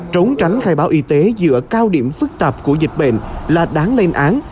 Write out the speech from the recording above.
trốn tránh khai báo y tế giữa cao điểm phức tạp của dịch bệnh là đáng lên án